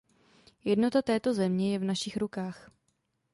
Jednota této země je v našich rukách.